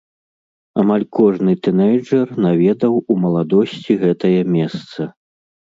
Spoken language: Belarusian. Амаль кожны тынэйджэр наведаў у маладосці гэта месца.